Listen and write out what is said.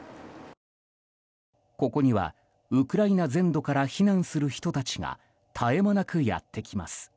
ここには、ウクライナ全土から避難する人たちが絶え間なくやってきます。